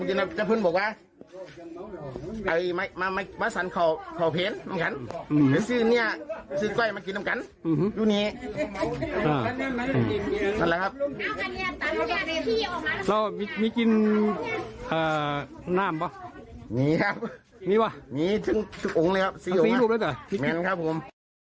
มีกินน่ามเปล่ามีครับมีว่ะมีทุกโอ๋งเลยครับสี่รูปน่ะครับผม